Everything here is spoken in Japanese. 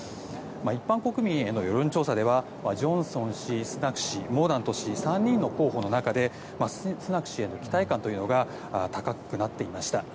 一般国民への世論調査ではジョンソン氏スナク氏、モーダント氏３人の候補の中でスナク氏への期待感というのが高くなっていました。